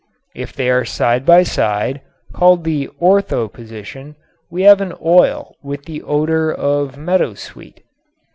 If they are side by side (called the ortho position) we have an oil with the odor of meadowsweet.